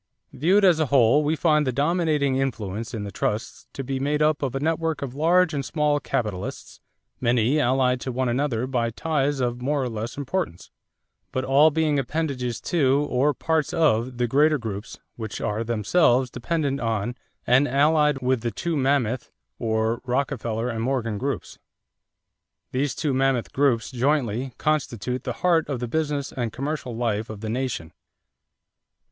Viewed as a whole we find the dominating influences in the trusts to be made up of a network of large and small capitalists, many allied to one another by ties of more or less importance, but all being appendages to or parts of the greater groups which are themselves dependent on and allied with the two mammoth or Rockefeller and Morgan groups. These two mammoth groups jointly ... constitute the heart of the business and commercial life of the nation."